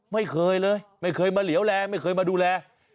ไม่เคยเลยไม่เคยมาเหลวแลไม่เคยมาดูแล